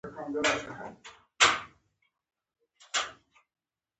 ښه کسان به یې فارغ کړي وای.